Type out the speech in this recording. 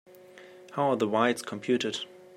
How are the weights computed?